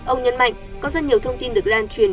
ông nhấn mạnh có rất nhiều thông tin được lan truyền